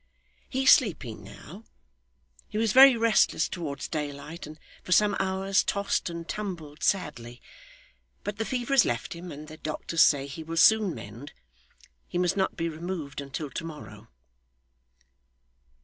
'He is sleeping now. He was very restless towards daylight, and for some hours tossed and tumbled sadly. But the fever has left him, and the doctor says he will soon mend. He must not be removed until to morrow.